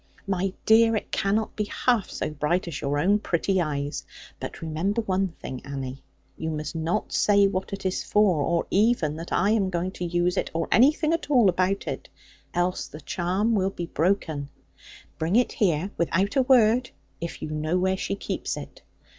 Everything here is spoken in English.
'My dear, it cannot be half so bright as your own pretty eyes. But remember one thing, Annie, you must not say what it is for; or even that I am going to use it, or anything at all about it; else the charm will be broken. Bring it here, without a word; if you know where she keeps it.'